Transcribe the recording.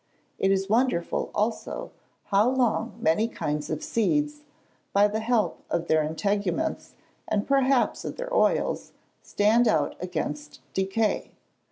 It is wonderful, also, how long many kinds of seeds, by the help of their integuments, and perhaps of their oils, stand out against decay.